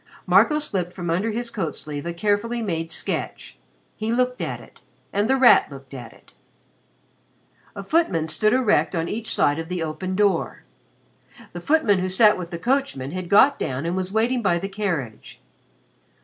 Marco slipped from under his coat sleeve a carefully made sketch. He looked at it and The Rat looked at it. A footman stood erect on each side of the open door. The footman who sat with the coachman had got down and was waiting by the carriage.